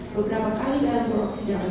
beberapa kali dalam produksi jabat